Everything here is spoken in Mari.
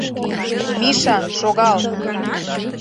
— Миша, шогал!